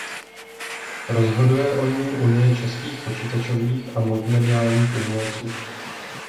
Rozhoduje o ní Unie českých počítačových a multimediálních umělců.